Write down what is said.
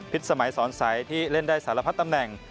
สมัยสอนใสที่เล่นได้สารพัดตำแหน่ง